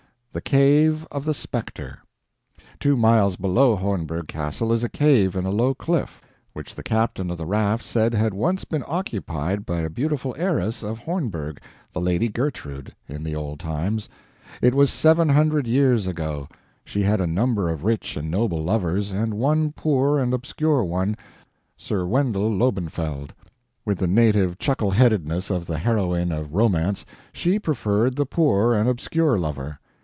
THE CAVE OF THE SPECTER Two miles below Hornberg castle is a cave in a low cliff, which the captain of the raft said had once been occupied by a beautiful heiress of Hornberg the Lady Gertrude in the old times. It was seven hundred years ago. She had a number of rich and noble lovers and one poor and obscure one, Sir Wendel Lobenfeld. With the native chuckleheadedness of the heroine of romance, she preferred the poor and obscure lover.